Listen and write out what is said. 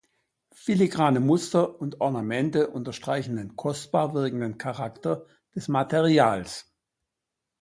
Filigrane Muster und Ornamente unterstreichen den kostbar wirkenden Charakter des Materials.